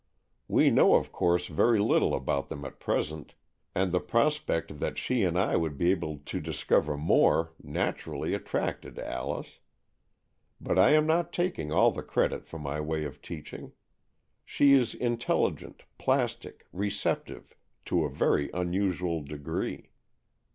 We know of course very little about them at present, and the prospect that she and I would be able to discover more naturally attracted Alice. But I am not taking all the credit for my way of teaching. She is intelligent, plastic, receptive, to a very unusual degree.